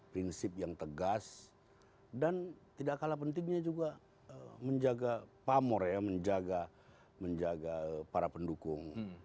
prinsip yang tegas dan tidak kalah pentingnya juga menjaga pamor ya menjaga menjaga para pendukung